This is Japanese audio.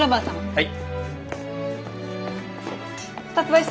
はい！